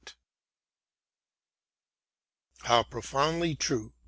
t How profoundly true